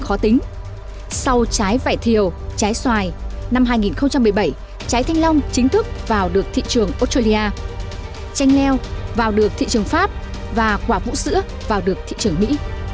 trong năm hai nghìn một mươi bảy trái thanh long chính thức vào được thị trường australia chanh leo vào được thị trường pháp và quả vũ sữa vào được thị trường mỹ